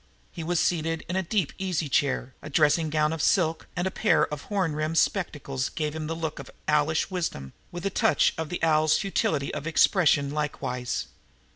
He was seated in a deep easy chair; a dressing gown of silk and a pair of horn rimmed spectacles gave him a look of owlish wisdom, with a touch of the owl's futility of expression, likewise.